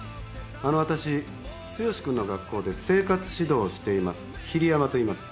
あの私剛君の学校で生活指導をしています桐山といいます。